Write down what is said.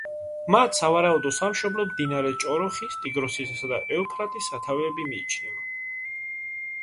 მათ სავარაუდო სამშობლოდ მდინარე ჭოროხის, ტიგროსისა და ევფრატის სათავეები მიიჩნევა.